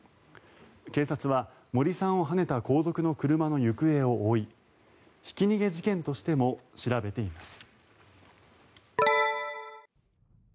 警察は、森さんをはねた後続の車の行方を追いひき逃げ事件としても調べています。